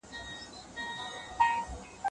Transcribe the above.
په لاس خط لیکل د زده کوونکو د وړتیاوو د ښودلو ځای دی.